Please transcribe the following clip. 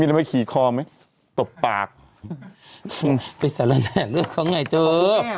มีอะไรขี่คอไหมตบปากไปสรรแหละเลือกเขาไงเจ้า